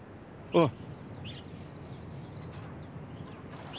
うん。